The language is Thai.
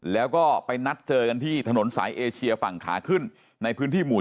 แล้วก็ไปนัดเจอกันที่ถนนสายเอเชียฝั่งขาขึ้นในพื้นที่หมู่๔